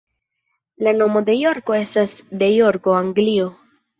La nomo de Jorko estas de Jorko, Anglio.